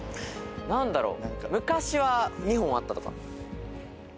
何だろう？